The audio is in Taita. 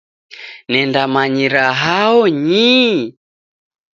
Nendamanyira hao nyii!